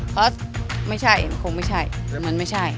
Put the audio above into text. เพราะไม่ใช่มันคงไม่ใช่มันไม่ใช่